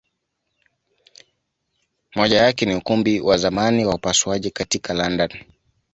Moja yake ni Ukumbi wa zamani wa upasuaji katika London.